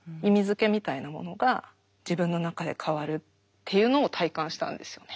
づけみたいなものが自分の中で変わるっていうのを体感したんですよね。